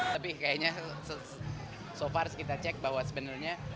tapi kayaknya so fars kita cek bahwa sebenarnya